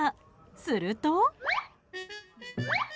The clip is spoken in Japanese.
すると。